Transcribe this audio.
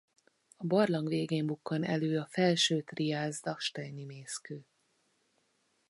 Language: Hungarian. A barlang végén bukkan elő a felső triász dachsteini mészkő.